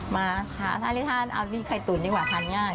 มาหาทานได้ทานเอานี่ไข่ตุ๋นดีกว่าทานง่าย